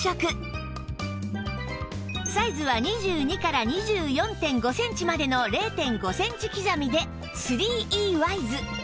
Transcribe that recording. サイズは２２から ２４．５ センチまでの ０．５ センチ刻みで ３Ｅ ワイズ